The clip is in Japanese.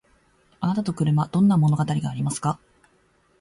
あなたと車どんな物語がありますか？